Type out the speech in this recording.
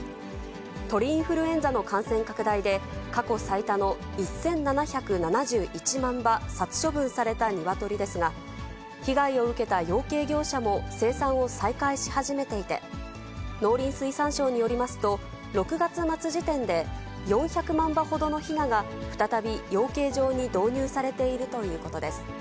鳥インフルエンザの感染拡大で、過去最多の１７７１万羽殺処分されたニワトリですが、被害を受けた養鶏業者も生産を再開し始めていて、農林水産省によりますと、６月末時点で４００万羽ほどのひなが、再び養鶏場に導入されているということです。